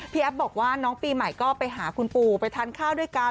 แอฟบอกว่าน้องปีใหม่ก็ไปหาคุณปู่ไปทานข้าวด้วยกัน